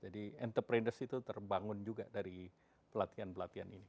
jadi entrepreneur itu terbangun juga dari pelatihan pelatihan ini